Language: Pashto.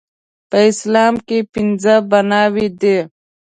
په اسلام کې پنځه بناوې دي